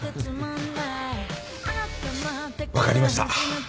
分かりました。